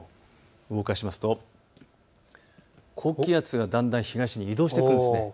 動かしますと高気圧がだんだん東に移動してくるんです。